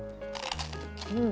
うん。